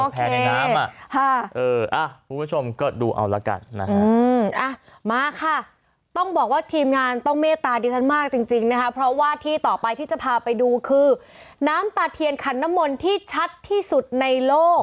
คุณผู้ชมก็ดูเอาละกันนะฮะมาค่ะต้องบอกว่าทีมงานต้องเมตตาดิฉันมากจริงนะคะเพราะว่าที่ต่อไปที่จะพาไปดูคือน้ำตาเทียนขันน้ำมนที่ชัดที่สุดในโลก